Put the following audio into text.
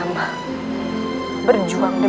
kita masih bisa berkumpul dengan mereka